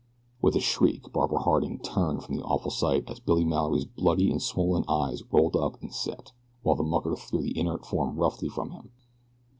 With a shriek Barbara Harding turned from the awful sight as Billy Mallory's bloody and swollen eyes rolled up and set, while the mucker threw the inert form roughly from him.